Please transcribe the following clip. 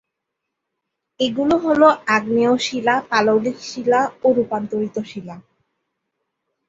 এগুলো হল- আগ্নেয় শিলা, পাললিক শিলা ও রুপান্তরিত শিলা।